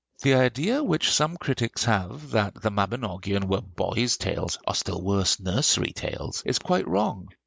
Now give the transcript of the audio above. The idea which some critics have, that the 'Mabinogion' were boys' tales, or still worse, nursery tales, is quite wrong.